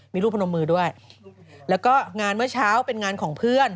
มีรูปพนมมือด้วยแล้วก็งานเมื่อเช้าเป็นงานของเพื่อน